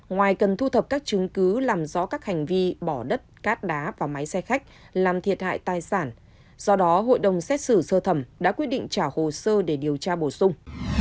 ngoài cần thu thập các chứng cứ làm rõ các hành vi bỏ đất cát đá vào máy xe khách làm thiệt hại tài sản do đó hội đồng xét xử sơ thẩm đã quyết định trả hồ sơ để điều tra bổ sung